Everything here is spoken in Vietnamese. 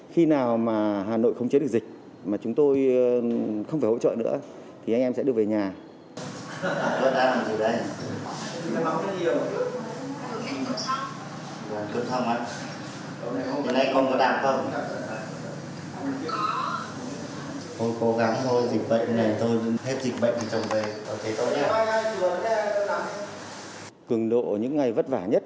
khi nào mà hà nội không chế được dịch mà chúng tôi không phải hỗ trợ nữa thì anh em sẽ được về nhà